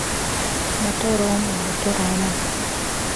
Мотор омыл, мотор омыл